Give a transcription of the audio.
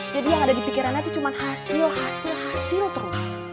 jadi yang ada di pikirannya itu cuman hasil hasil hasil terus